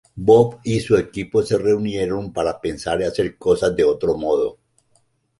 Bob y su equipo se reunieron para pensar y hacer cosas de otro modo.